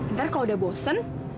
ntar kalau udah bosen